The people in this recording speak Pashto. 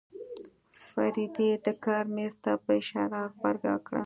فريدې د کار مېز ته په اشاره غبرګه کړه.